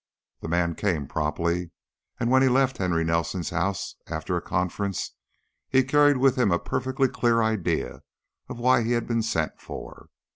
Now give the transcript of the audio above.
The man came promptly, and when he left Henry Nelson's house after a conference he carried with him a perfectly clear idea why he had been sent for.